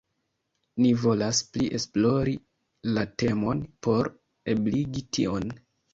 Ni volas pli esplori la temon por ebligi tion.